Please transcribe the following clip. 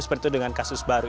seperti itu dengan kasus baru